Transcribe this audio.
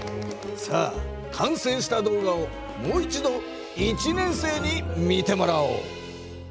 さあ完成した動画をもう一度１年生に見てもらおう。